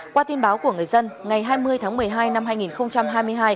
qua tin báo của người dân ngày hai mươi tháng một mươi hai năm hai nghìn hai mươi hai